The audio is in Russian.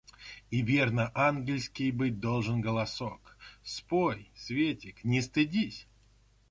И верно ангельский быть должен голосок! Спой, светик, не стыдись!